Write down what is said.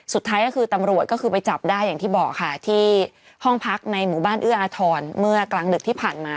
สุดท้ายก็คือตำรวจก็คือไปจับได้อย่างที่บอกค่ะที่ห้องพักในหมู่บ้านเอื้ออาทรเมื่อกลางดึกที่ผ่านมา